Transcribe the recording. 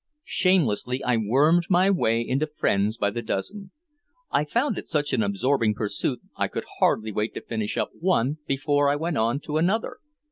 Shamelessly I wormed my way into friends by the dozen. I found it such an absorbing pursuit I could hardly wait to finish up one before I went on to another.